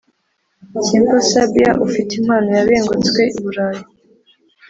simpo sabior ufite impano yabengutswe I burayi